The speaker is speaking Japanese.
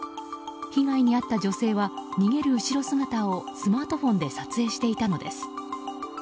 被害に遭った女性は逃げる後ろ姿をスマートフォンで撮影していたのです。